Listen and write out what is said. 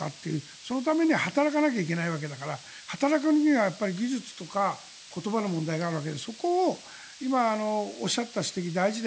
そのためには働かなきゃいけないわけだから技術とか言葉の問題があるわけでそこで今、おっしゃった指摘は大事で。